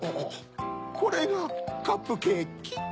これがカップケーキ？